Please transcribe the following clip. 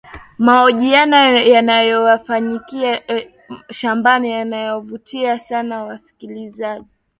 mahojiano yanayofanyika shambani yanawavutia sana wasikilizaji